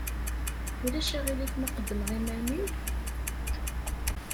Ulac aɣilif ma qeddmeɣ iman-iw?